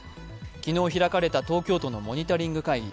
昨日開かれた東京都のモニタリング会議。